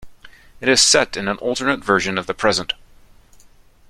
It is set in an alternate version of the present.